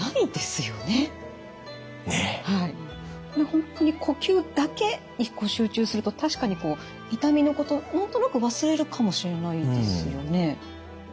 本当に呼吸だけ一個集中すると確かにこう痛みのこと何となく忘れるかもしれないですよね。